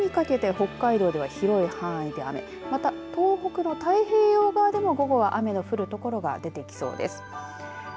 午後にかけて北海道は広い範囲で雨また東北の太平洋側でも午後は雨が降る所が出てきそうです。